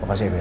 apa sih mir